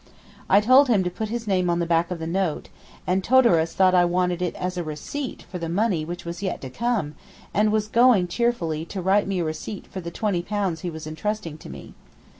I told him to put his name on the back of the note, and Todorus thought I wanted it as a receipt for the money which was yet to come, and was going cheerfully to write me a receipt for the £20 he was entrusting to me.